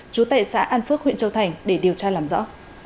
chú tệ xã an phước huyện châu thành để điều tra làm rõ